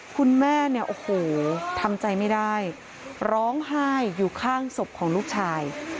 คุณแม่เนี่ยโอ้โหทำใจไม่ได้ร้องไห้อยู่ข้างศพของลูกชาย